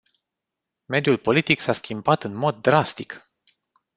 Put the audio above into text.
Mediul politic s-a schimbat în mod drastic.